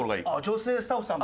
女性スタッフさん？